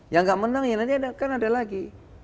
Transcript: yang nggak menang ya nanti kan ada lagi